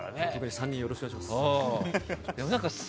３人をよろしくお願いします。